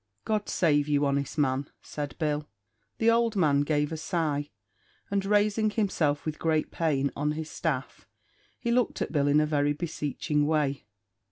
"God save you, honest man!" said Bill. The old man gave a sigh, and raising himself with great pain, on his staff, he looked at Bill in a very beseeching way.